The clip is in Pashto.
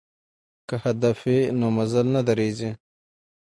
که هدف وي نو مزل نه دریږي.